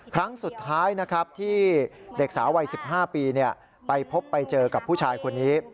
ครั้งสุดท้ายนะครับที่เด็กสาววัย๑๕ปีไปพบไปเจอกับผู้ชายคนนี้